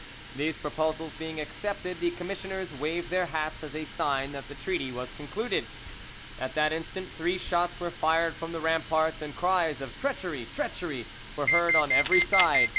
These proposals being accepted, the commissioners waved their hats as a sign that the treaty was concluded. At that instant three shots were fired from the ramparts, and cries of "Treachery! treachery!" were heard on every side.